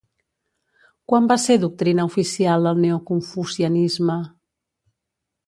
Quan va ser doctrina oficial el neoconfucianisme?